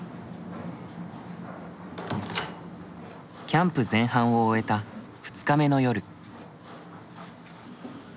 キャンプ前半を終えた２日目の夜。